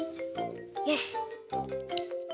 よし！